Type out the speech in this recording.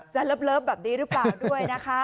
เลิฟแบบนี้หรือเปล่าด้วยนะคะ